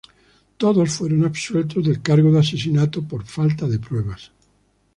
Todos fueron absueltos del cargo de asesinato por falta de pruebas.